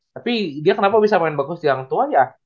tapi dia kenapa bisa main bagus yang tua ya